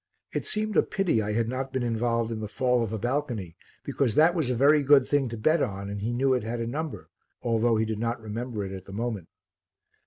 It seemed a pity I had not been involved in the fall of a balcony because that was a very good thing to bet on and he knew it had a number, although he did not remember it at the moment.